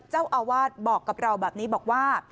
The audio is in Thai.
เจ้าอาวาสบอกกับเราแบบนี้บอกว่า